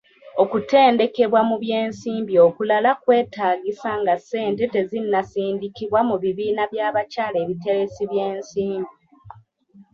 Okutendekebwa mu by'ensimbi okulala kwetaagisa nga ssente tezinnasindikibwa mu bibiina by'abakyala ebiteresi by'ensimbi.